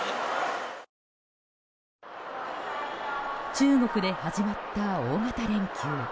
中国で始まった大型連休。